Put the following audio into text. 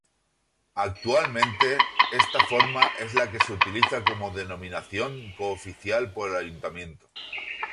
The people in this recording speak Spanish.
Actualmente esta forma es la que se utiliza como denominación cooficial por el ayuntamiento.